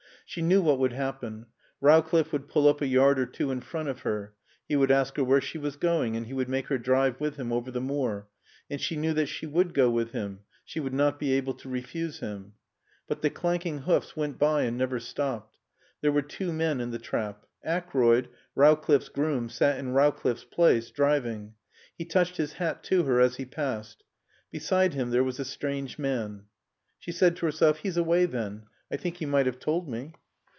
She knew what would happen. Rowcliffe would pull up a yard or two in front of her. He would ask her where she was going and he would make her drive with him over the moor. And she knew that she would go with him. She would not be able to refuse him. But the clanking hoofs went by and never stopped. There were two men in the trap. Acroyd, Rowcliffe's groom, sat in Rowcliffe's place, driving. He touched his hat to her as he passed her. Beside him there was a strange man. She said to herself, "He's away then. I think he might have told me."